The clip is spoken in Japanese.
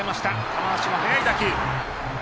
球足の速い打球。